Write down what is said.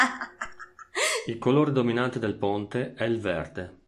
Il colore dominante del ponte è il verde.